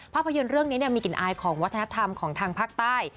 ภาพยนตร์เรื่องนี้มีกลิ่นอายของวัฒนธรรมของทางภาคใต้